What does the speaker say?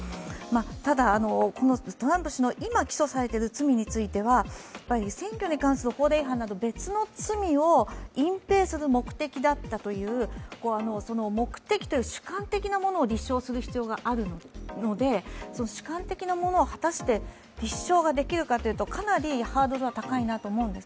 ただ、トランプ氏の今起訴されている罪については選挙に関する法令違反など別の罪を隠蔽する目的だったという主観的なものを立証する必要があるので、主観的なものを果たして立証ができるかというとかなりハードルは高いなと思うんです。